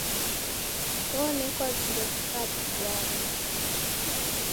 Wonekwa vindo vikambwagha.